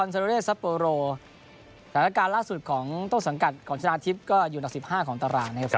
โรเลสซัปโปโรสถานการณ์ล่าสุดของต้นสังกัดของชนะทิพย์ก็อยู่อันดับ๑๕ของตารางนะครับ